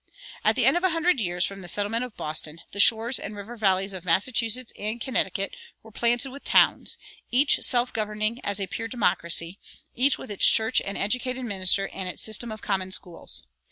[102:2] At the end of a hundred years from the settlement of Boston the shores and river valleys of Massachusetts and Connecticut were planted with towns, each self governing as a pure democracy, each with its church and educated minister and its system of common schools.